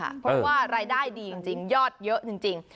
เพราะว่ารายได้ดีจริงยอดเยอะจริง